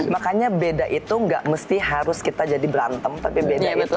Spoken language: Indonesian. makanya beda itu gak mesti harus kita jadi berantem tapi beda itu